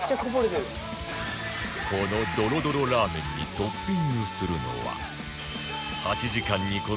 このドロドロラーメンにトッピングするのは